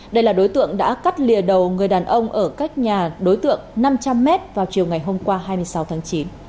đây là đối tượng đã cắt lìa đầu người đàn ông ở cách nhà đối tượng năm trăm linh m vào chiều ngày hôm qua hai mươi sáu tháng chín